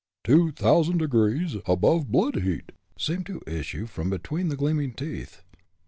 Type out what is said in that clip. "Two t'ousand degrees above blood heat," seemed to issue from between the gleaming teeth.